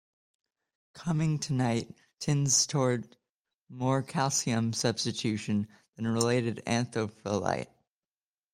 Cummingtonite tends toward more calcium substitution than related anthophyllite.